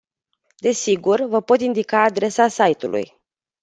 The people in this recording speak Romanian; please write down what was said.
Desigur, vă pot indica adresa site-ului.